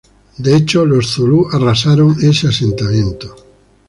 De hecho, los zulú arrasaron con ese asentamiento.